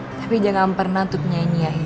tapi jangan pernah tuk nyanyi aja